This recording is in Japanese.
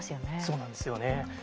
そうなんですよね。